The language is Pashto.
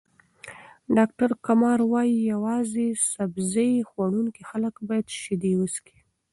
ډاکټر کمار وايي، یوازې سبزۍ خوړونکي خلک باید شیدې وڅښي.